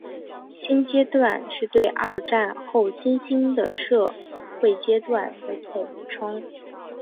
新阶级是对二战后新兴的社会阶层的统称。